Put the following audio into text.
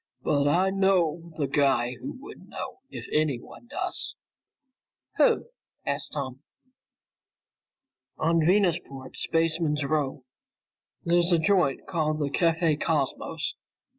"But I do know the guy who would know if anyone does." "Who?" asked Tom. "On Venusport's Spaceman's Row. There's a joint called the Café Cosmos.